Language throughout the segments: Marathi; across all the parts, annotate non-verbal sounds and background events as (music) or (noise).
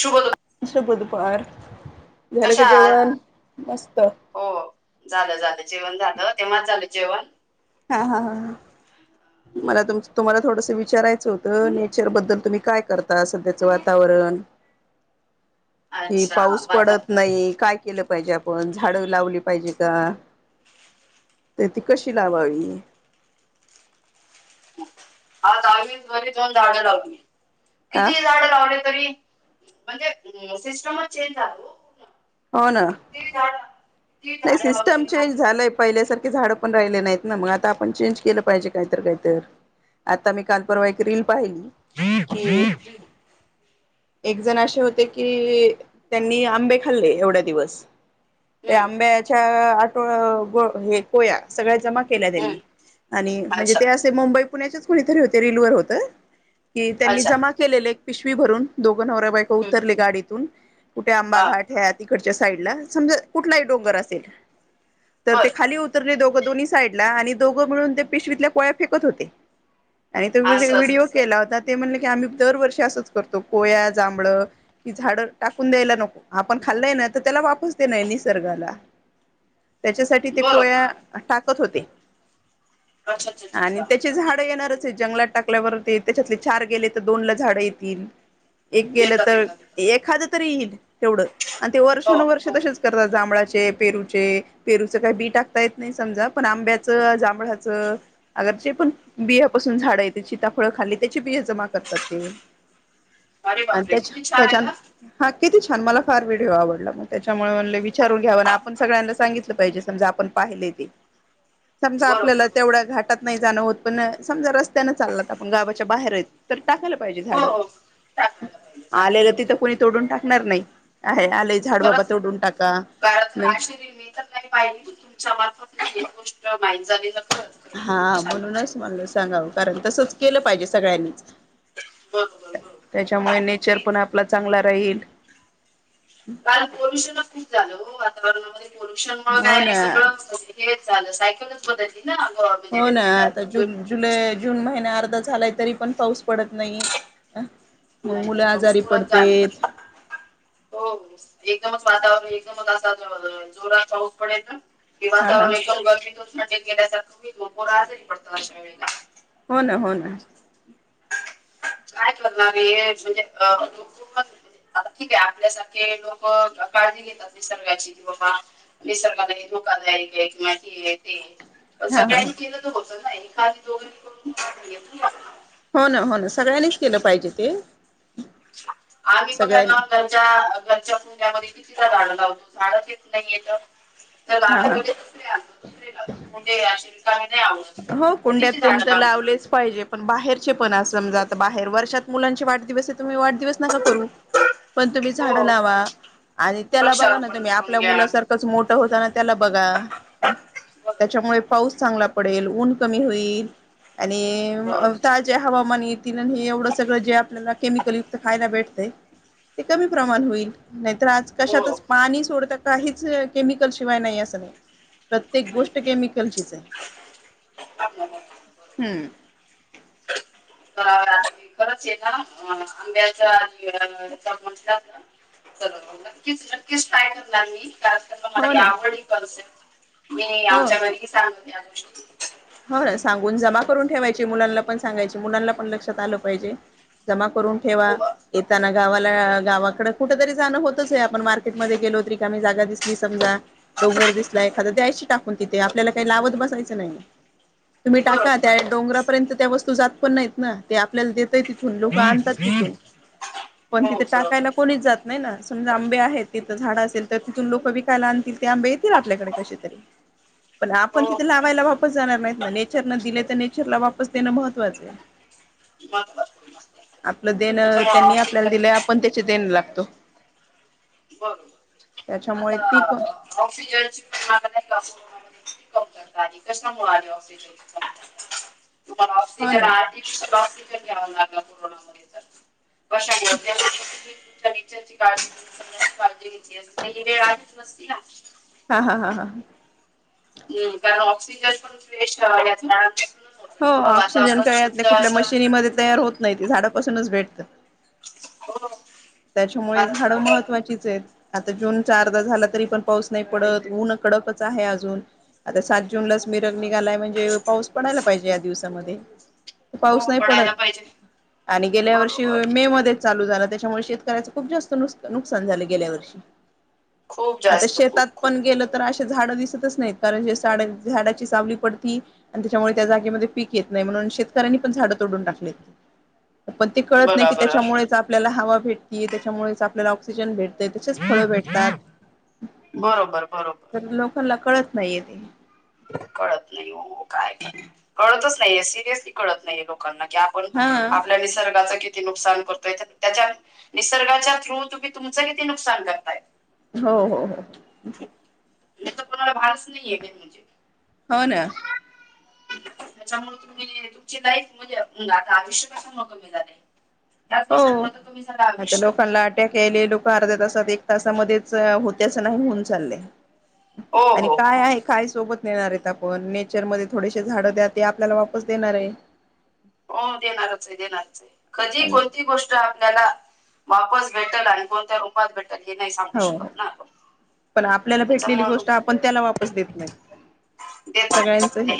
शु (inaudible) (unintelligible) शुभ दुपार झालं कशा का आहात? जेवण? मस्त हो झालं झालं जेवण झालं. तेव्हाच झालं जेवण हा हा हा हा मला तुम्हाला थोडसं विचारायचं होतं नेचरबद्दल तुम्ही काय करता? सध्याचं वातावरण (inaudible) कि अच्छा पाऊस मग आता पडत नायी काय केलं पाहिजे? आपण झाडं लावली पाहिजे का? तर ती कशी लावावी? आज आम्ही वरी जाऊन झाडं लागली हा किती झाडं लावले, तरी म्हणजे सिस्टमच चेंज झालं ना? हो ना ती झाडं नाही सिस्टम चेंज झालय पहिल्यासारखे झाड पण राहिले नाहीत, ना मग आता आपण चेंज केलं पाहिजे काय तर काय तर आता मी काल परवा एक रील पाहिली, की हम्म एक जण अशे होते की त्यांनी आंबे खाल्ले एवढ्या दिवस ते हम् आंब्याच्या आठो ग हे कोया सगळ्या जमा केल्या हम्म त्यांनी आणि म्हणजे अच्छा ते अस मुंबई पुण्याच्याच कुणीतरी होते रिलवर होत की त्यांनी अच्छा जमा केलेले एक पिशवी भरून दोघ नवरा बायको हम्म उतरले गाडीतून. कुठे आंबा हा घाट हे आहे तिकडच्या साईडला. समजा कुठलाही - डोंगर असेल तर बर ते खाली उत - -रले दोघं दोन साईडला. आणि दोघं मिळून ते पिशवीतल्या कोया फेकत होते. आणि तो असं असं व्हडिओ असं केला होता. ते म्हणले की आम्ही दरवर्षी असंच करतो कोया, जांभळ- झाड टाकून द्यायला नको. आपण खाल्लंय ना? तर त्याला वापस देणए. नि- -सर्गाला. त्याच्यासाठी ते कोया बरोबर टाकत होते. अच्छा अच्छा अच्छा आणि अच्छा त्याची झाड येणारच आहेत जंगलात. टाकल्यावर ते त्याच्यातले चार गेले तर दोन ला झाडं येतील. एक गेलं येतात तर, येतात येतात एखाद तरी येईल तेवढं. आणि ते हो वर्षानुवर्ष हो तसेच- करतात. जांभळाचे, पेरूचे- पेरूचं काही बी टाकता येत नाही समजा. पण आंब्याचं, जांभळाचं. अग जे पण बियापासून झाडं येता. त्या सिताफळ खाल्ली त्याची बिया जमा करतात ते. अरे अन बापरे त्याच्या, किती छान आहे त्याच्यान ना हा. किती छान. मला फार व्हिडिओ आवडला. मग त्याच्यामुळे म्हणले - विचारून घ्याव ना? आपण सगळ्यांना सांगितलं पाहिजे. समजा आपण पाहिलेय ते. समजा आपल्याला बरोबर बरोबर तेवढ्या घाटात बरोबर नाही जाणं होत. पण समजा रस्त्यान चाललात आपण गावाच्या बाहेरएत. तर टाकायला पाहिजे झाड. हो हो टाकायला पाहिजे टाकायला आलेलं पाहिजे तिथं कोणी- तोडून टाकणार नाही. आहे आलय झाड बाबा खरंच तोडून टाक. (unintelligible) मी तर नाही पाहिली. तुमच्या मार्फत गोष्ट माहीत झालेलं खरं. हा. म्हणूनच म्हणलं सांगाव. कारण तसंच केलं पाहिजे सगळ्यांनी. बरोबर बरोबर त्याच्यामुळे नेचर नाही का? पण आपला चांगला राहील. काय पोल्युशनच खूप झालं हो वातावरणामध्ये. पोल्युशन म हो काय ना सगळं- हेच झालं. सायकलच बदलली ना? म्हणजे हो ना. हे- अ, आता जुन दोन- जुलै, याची जून महिना अर्धा झालाय तरी पण पाऊस पडत नाहीए. आ. मग नाही नाही मुलं पाऊस आजारी पुढंच जाणार पडतेत. हो. एकदमच वातावरण एकदमच असा ज जोरात पाऊस पडायचा. कि हा हा वातावरण एकदम गर्मीतून थंडीत गेल्यासारख होईल. मग पोर आजारी पडता अशा वेळेला. हो ना. हो ना. काय करणार? हे म्हणजे अ (unintelligible) आता ठीक आहे. आपल्यासारखे लोक काळजी घेत- -तात निसर्गाची. किंवा बा निसर्ग (unintelligible) धोकादायक आहे किंवा हे ए ते ए. हा हा सगळ्यांनी केलं तर होत ना? एकानी दोघानी करून (unintelligible) हो ना. हो ना. सगळ्यांनीच केलं पाहिजे ते. आधी बघा ना सगळ्यांनी त्या घरच्या कुंड्यांमधे कितीदा झाडं लावतो. झाडच येत नाहीयेत. दुसर हा हा आणतो. दुसरे लावतो. कुंड्या या अशा रिकाम्या नाही आवडत. हो. तर कुंड्यात किती तेन झाडं तर लागणार लावलेच पाहिजेत. पण बाहेरचे पण आहे समजा. आता बाहेर वर्षात मुलांचे वाढदिवस आहे तर तुम्ही वाढदिवस नका करू. पण तुम्ही झाडं हो लावा. आणि त्याला बघा ना वृक्षारोपण तुम्ही करून आपल्या घ्या मुलासारखं- - च मोठ होताना त्याला बघा. बरोबर त्याच्यामुळे पाऊस चांगला- पडेल. ऊन कमी होईल. आणि बरोबर ताजे हवामान- हे एवढं सगळं जे आपल्याला केमिकल युक्त खायला भेटतंय. ते कमी प्रमाण होईल. नाहीतर आज हो कशातच पाणी सोडता, काहीच केमिकल शिवाय नाहीए सगळं. प्रत्येक नाही, गोष्ट नाही. नाही. केमिकलचीच आहे. (unintelligible) हम्म. का करच हाय का? हा. आंब्याच्या (unintelligible) तर नक्कीच नक्कीच ट्राय करणार मी. का तर मला हो लई ना आवडाय करसेन मी हो आमच्या घरीही सांगते (unintelligible) हो ना सांगून जमा करून ठेवायची मुलांना पण सांगायची मुलांना पण लक्षात आलं पाहिजे. जमा करून ठेवा हो येताना गावाला गावाकड कुठ तरी जाणं होतच आहे आपण मार्केटमध्ये गेलो तरी रिकामी जागा दिसली समजा डोंगर दिसला एखादा द्यायशी टाकून तिथे आपल्याला काही लावत बसायचं नाही. तुम्ही टाका बरोबर त्या डोंगरापर्यंत त्या वस्तू जात पण नाहीत ना ते आपल्याला देतय तिथ लोक आणतात तिथून हो पण तिथ बरोबर टाकायला बरोबर कोणीच जात नाही ना. समजा आंबे आहेत तिथं झाडं असेल तर तिथून लोक विकायला आणतील. ते आंबे येतील आपल्याकडे कशे तरी पण आपण हो तिथे हो लावायला वाप जाणार नाहीत ना नेचर न दिलय तर नेचरला वापस देणं महत्वाचं आहे. महत्वाचं आहे, महत्वाचं आहे. आपलं देण त्याच्यामुळे त्यांनी आपल्याला ऑक्सिजन दिलंय आपण त्याची देण लागतो. ब घ त्याच्यामुळे आता ती कोण ऑक्सिजनची (unintelligible) कमतरता आलो. कशामुळे आल ऑक्सिजनची कमतरता? तुम्हाला हो ऑक्सिजन ना आर्टिफिशल ऑक्सिजन घ्याव लागल कोरोना मध्ये तर. कशामुळ (unintelligible) काळजी (unintelligible) का ही वेळ आहेत नसती ना. हा हा हा हा. हम् कारण ऑक्सिजन पण फिनीश कराव याचा. हो ऑक्सिजन काय यातल्या कुठल्या मशिनीमध्ये तयार होत नाही ते झाडापासूनच भेटत. हो. त्याच्यामुळे कारण झाडं तर महत्त्वाचीच आहेत. आता जून चा अर्धा झाला तरी पण पाऊस नाही पडत ऊन कडकच आहे अजून आता सात् जून लाच मीरग निघालाय म्हणजे पाऊस पडयला पाहिजे या दिवसामध्ये. पाऊस हो नाही पडत पडायला पाहिजे आणि गेल्या वर्षी बरोबर मे मध्ये चालू झाला त्याच्यामुळे शेतकऱ्याच खूप जास्त नुसका नुकसान झालय गेल्या वर्षी. खूप आता जास्त शेतात खूप खूप पण खूप गेल तर अशे झाड दिसतच नाहीत. कारण जे झाडे -झाडाची सावली पडती आणि त्याच्यामुळे त्या जागेमध्ये पीक येत नाही म्हणून शेतकऱ्यांनी पण झाडं तोडून टाकलीत. पण ते कळत नाही बघा की बरं त्याच्यामुळेच आपल्याला हवा भेटती त्याच्यामुळेच आपल्याला ऑक्सिजन भेट ते त्याचेच फळं भेटतात. बरोबर तर बरोबर लोकांनला कळत नाहीय ते कळत नाही ओ. काय करणार? कळतच नाहीे सिरियसली कळत नाहीये लोकांना की हा (unintelligible) आपल्या निसर्गाचा कि किती नुकसान करतोय? त्याच्यात निसर्गाच्या थ्रू तुम्ही तुमचं किती नुकसान करताय? हो हो हो. इथ कुणाला भानच नाहीये मेन म्हणजे. हो ना? (unintelligible) त्याच्यामुळ तुम्ही तुमची लाईफ म्हणजे आता आयुष्य कसा म कमी झालंय. याच गोष्टीमुळ तर तुम्ही सगळ आयुष्य त केली लोक अर्ध्या तासात एक तासामध्येच होते असं नाही होऊन चाललंय. हो आणि हो हो काय आहे? काय सोबत नेणार आहेत आपण नेचर मध्ये थोडेसे झाड द्या ते आपल्याला वापस देणार आहे. हो देणारच आहे देणारच आहे कधी आणि कोणती गोष्ट आप आपल्याला वापस भेटल आणि कोणत्या रूपात भेटल हे नाही सांगू हो हो शकत ना आपण. पण आपल्याला भेटलेली त्याच्यामुळं गोष्ट आपण त्याला वापस देत नाही. (inaudible) सगळ्यांचं हे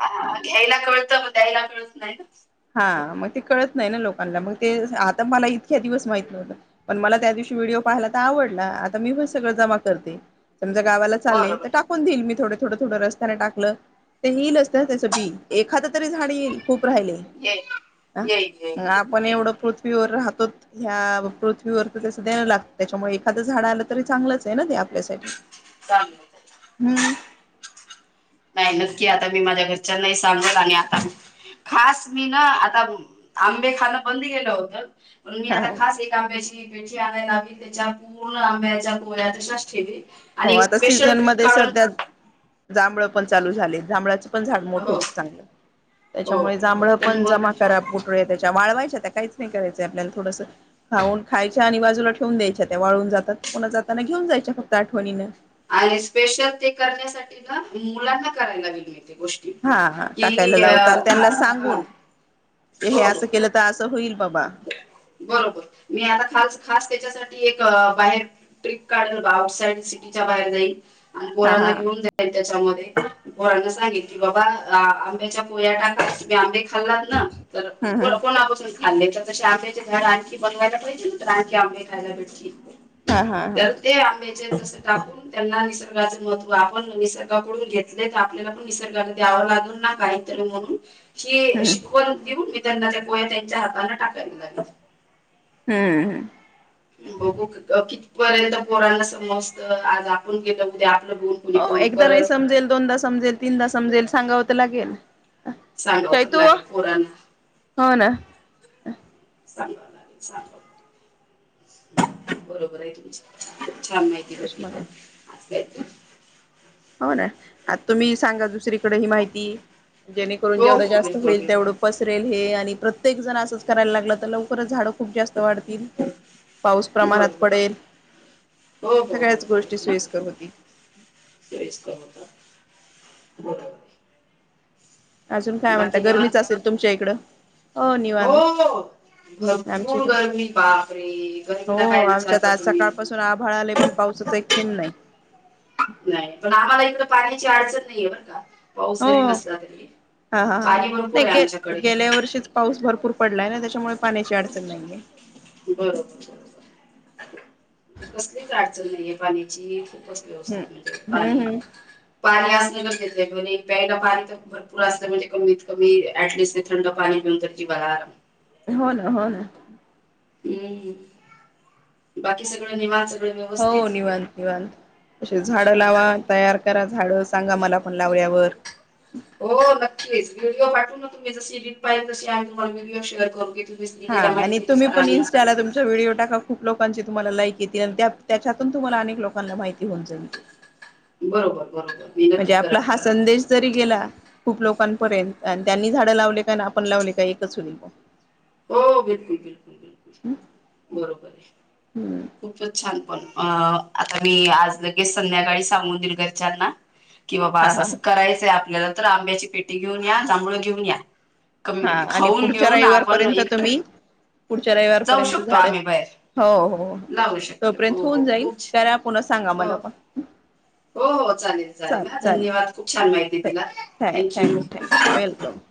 हा घ्यायला कळतं मग द्यायला कळत नाही. हा म ते कळत नाही ना लोकांना म ते आता मला इतक्या दिवस माहित नव्हतं. पण मला त्या दिवशी व्हिडिओ पाहायला तर आवडला आता मी पण सगळं जमा करते. समजा गावाला चालेय बरोबर तर टाकून देईल मी थोडं थोड थोडं रस्त्याने टाकलं ते येईलच ना त्याचं बी एखाद तरी झाड येईल खूप राहिले. येईल ह येईल मग येईल येईल आपण एवढं येईल पृथ्वीवर राहतो ह्या पृथ्वीवर तर त्यास देणं लागतं त्याच्यामुळे एखादं झाड आलं तरी चांगलंच आहे ना ते आपल्यासाठी. चांगलं. हम्. नाही नक्की आता मी माझ्या घरच्यां नाही सांगल आणि आता खास मी ना आता आंबे खाणं बंद केलं होत. पण मी हा आता खास एक आंब्याची पेटी आणायला हवी त्याच्या पूर्ण आब्याच्या गो्या तशच ठेवी हो आणि एक आता स्पेशल ट्रिप सीझनमध्येध्ये काढून सध्या जांभळ पण चालू झाले जांभळाच्या पण झाड मोठ हो होत हो चांगलं हो त्याच्यामुळे जांभळ तर पण मग जमा करा. गुठळ्या त्याच्या वाळवायच्या त्या काहीच नाही करायचंय आपल्याला थोडंसं खाऊन खायच्या आणि बाजूला ठेवून द्यायच्या त्या वाळून जातात पुन जाताना घेऊन जायच्या फक्त आठवणीनं. आणि स्पेशल ते करण्यासाठी ना मुलांना करायला लावीन मी ते गोष्ट. हा हा टाकायला लावताल त्यांना सांगून क हे हो हो असं हो केलं त असं होईल बाबा. बरोबर मी आता खास खास त्याच्यासाठी एक बाहेर ट्रीप काढायला आउटसाईड सिटीच्या बाहेर जाईल आणि हा हा पोरांना घेऊन जाईन. त्याच्यामध्ये पोरांना सांगीन की बाबा आंब्याच्या कोया टाका तुम्ही आंबे खाल्लात ना तर हम्म हम्म कोणापासून खाल्ले. तशे आंब्याचे झाडे आणखी बनवायला पाहिजे ना तर आणखी आंबे खायला भेटतील हा हा हा तर ते आंब्याचे तस टाकून त्यांना निसर्गाचं महत्व आपण निसर्गाकडून घेतले तर आपल्याला पण निसर्गाला द्यावं लागल ना काय. तर म्हणून हि हम्म शिकवण देऊन मी त्यांना त्या कोया त्यांच्या हाताने टाकायला लावीन. हम्म. बघू कितीपर्यंत पोरांना समजत आज आपण केलं उद्या आपलं गुण हो एकदा नाही समजेल दोनदा समजेल तीनदा समजेल सांगावं तर लागेल. सांगाव तर शैतू लागेल पोरना. हो ना. सांगाव लागेल सांगव लागेल बरोबर आहे तुम छान माहिती ती भेटली चष्मा घाल आज हो ना आता तुम्ही सांगा दुसरीकडे ही माहिती जेणेकरून हो जेवढं हो जास्त बिलकुल होईल तेवढं बिलकुल पसरेल हे आणि प्रत्येक जण असंच करायला लागलं तर लवकरच झाड खूप जास्त वाढतील पाऊस प्रमाणात बरोबर आहे. पडेल. सगळ्याच गोष्टी सोयीस्कर होतील. सोयिस्कर होतात बरोबर. आहे अजून काय म्हणता बाकी गरमीच निवांत असेल तुमच्या इकडं, हो निवांत. आमच्या भरपूर इकडे गरमी बाप रे, गरमीला काय विचारता तुम्ही. थोडं आभाळ आले पण, पावसाचा एक थेबं नाही. नाही पण आम्हाला इकड पाण्याची अडचण नहीये आहे बर का. पाऊस हो जरी नसला तरी हा हा हा पाणी भरपूर नाही आहे आमच्याकडे गे-गेल्या वर्षी पाऊस भरपूर पडलाय ना, त्याच्यामुळे पाण्याची अडचण नाहीये. बरोबर कसलीच अडचण नहीये पाण्याची. व्यवस्थित मिळतंय हम्म पाणी, हम्म हम्म पाणी असून नं देत्या दोनी प्यायला पाणी तर. भरपूर असल म्हणजे, कमीत कमी ऍटलिस्ट ते थंड पाणी पीऊन तर जीवाला आराम. हो ना, हो ना. हूं बाकी सगळं निवास हो निवांत निवांत. अशें झाडं लावा, तयार करा झाडं, सांगा मला पण लावल्यावर. हो नक्कीच व्हिडिओ पाठू ना, तुम्ही जशी रील पाहेल तशी आमही तुम्हाला व्हिडओ शेअर करू. तुम्ही हा दिलेल्या आणि तुम्ही माहितीनुसार पण आम्ही इन्स्टाला तू मचे व्हिडिओ टाका खूप लोकांचे तुम्हाला लाईक येतील, आणि त्यात त्याच्यातून तुम्हाला अनेक लोकांना माहिती होऊन जाईल ते. बरोबर, बरोबर. मी म्हणजे नक्की आपला करेन हा करेन संदेश जरी गेला खूप लोकांपर्यंत, आण त्यांनी झाडं लावले काय, नं आपण लावले काय एकच होईल मग. हो बिलकुल, बिलकुल, बिलकुल, बरोबर आहे. हम्म खूपच छान पण, अ आता मी आज लगेच संध्याकाळी सांगून देईल घरच्यांना. कि बाबा हा असं हा असं करायचंय आपल्याला, तर आंब्याची पेटी घेऊन या, जांभळ घेऊन या. कमी हा केलीती, आणि खाऊन पुढच्या घेऊ ना आपण रविवारपर्यंत एकट्रे. तुम्ही पुढच्या रविवारपर्यंत झाडं हो हो लावू शकते तोपर्यंत हो हो होऊन जाईल, खूप छ- त्याला पुन्हा सांगा हो मला पण. हो चालेल चालेल हा धन्यवाद, खूप छान माहिती तिला thank you thank thank you thank you you. (unintelligible)